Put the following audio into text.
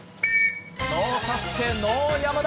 ノーＳＡＳＵＫＥ・ノー山田。